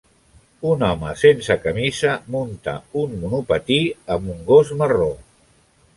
Un home sense camisa munta un monopatí amb un gos marró